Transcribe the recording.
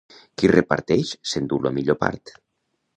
Qui reparteix s'endú la millor part.